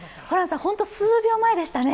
本当に数秒前でしたね。